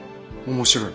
面白い？